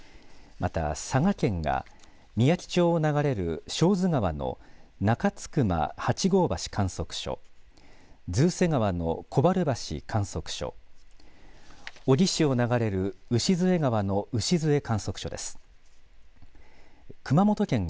また佐賀県がみやき町を流れる寒水川の中津隈８号橋観測所、通瀬川の小原橋観測所、小城市を流れる牛津江川の牛津江観測所です。